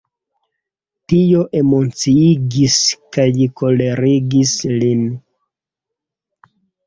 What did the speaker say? Tio emociigis kaj kolerigis lin.